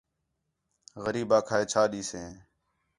غریب آکھا ہِے چَھا ݙیسے